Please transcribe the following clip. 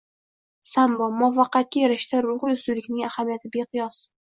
Sambo: Muvaffaqiyatga erishishda ruhiy ustunlikning ahamiyati beqiyosng